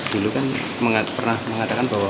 dulu kan pernah mengatakan bahwa